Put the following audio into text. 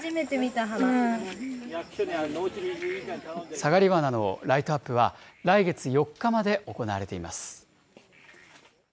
サガリバナのライトアップは、来月４日まで行われています。